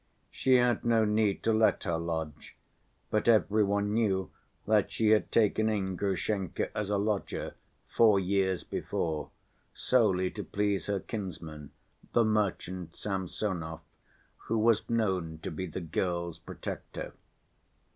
She had no need to let her lodge, but every one knew that she had taken in Grushenka as a lodger, four years before, solely to please her kinsman, the merchant Samsonov, who was known to be the girl's protector.